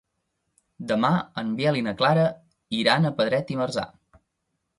Demà en Biel i na Clara iran a Pedret i Marzà.